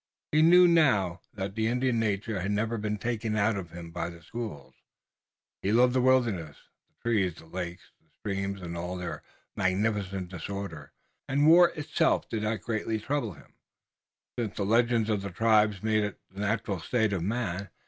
He knew now that the Indian nature had never been taken out of him by the schools. He loved the wilderness, the trees, the lakes, the streams and all their magnificent disorder, and war itself did not greatly trouble him, since the legends of the tribes made it the natural state of man.